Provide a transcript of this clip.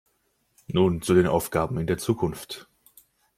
Nun zu den Aufgaben in der Zukunft.